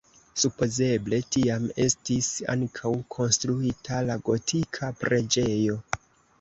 Supozeble tiam estis ankaŭ konstruita la gotika preĝejo.